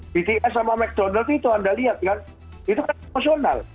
bts sama mcdonald itu anda lihat kan itu kan emosional